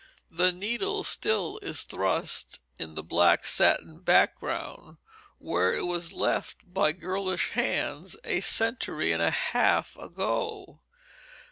The needle still is thrust in the black satin background where it was left by girlish hands a century and a half ago.